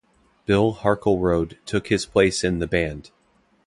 Bill Harkleroad took his place in the band.